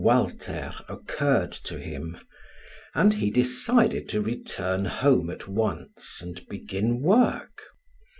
Walter occurred to him, and he decided to return home at once and begin work.